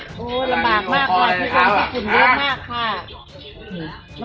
โหระบากมากกะแพนปลูกฝุ่นเยอะมากข้า